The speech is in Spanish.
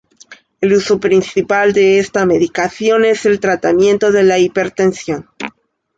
El uso principal de esta medicación es el tratamiento de la hipertensión.